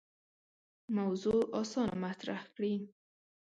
موضوع اسانه مطرح کړي.